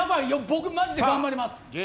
僕がちで頑張ります。